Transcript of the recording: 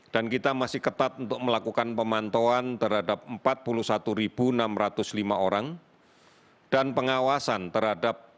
dan kita masih ketat untuk melakukan pemantauan terhadap empat puluh satu enam ratus lima orang dan pengawasan terhadap